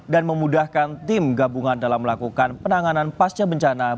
dan memudahkan tim gabungan dalam melakukan penanganan pasca bencana